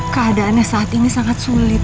keadaannya saat ini sangat sulit